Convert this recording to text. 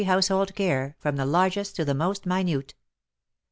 household care^ from the largest to the most minute.